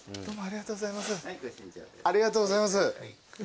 ありがとうございます。